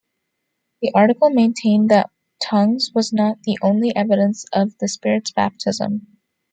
The article maintained that tongues was not the only evidence of the Spirit's Baptism.